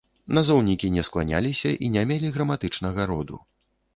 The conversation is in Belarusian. Назоўнікі не скланяліся і не мелі граматычнага роду.